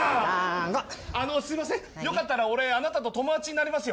あのすいませんよかったら俺あなたと友達になりますよ。